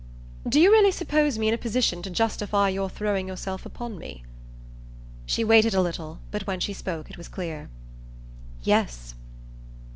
"Do you really suppose me in a position to justify your throwing yourself upon me?" She waited a little, but when she spoke it was clear. "Yes."